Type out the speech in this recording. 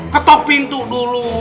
ketok pintu dulu